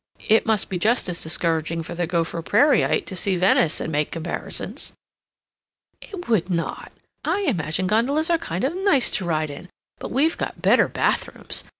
It must be just as discouraging for the Gopher Prairieite to see Venice and make comparisons." "It would not! I imagine gondolas are kind of nice to ride in, but we've got better bath rooms!